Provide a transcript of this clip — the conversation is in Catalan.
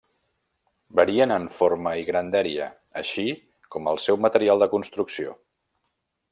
Varien en forma i grandària, així com el seu material de construcció.